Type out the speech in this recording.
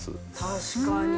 確かに。